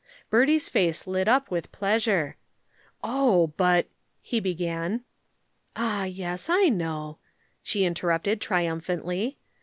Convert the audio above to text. Bertie's face lit up with pleasure. "Oh, but " he began. "Ah, yes, I know," she interrupted triumphantly.